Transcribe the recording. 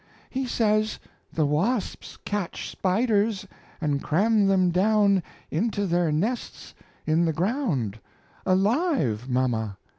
He says the wasps catch spiders and cram them down into their nests in the ground alive, mama!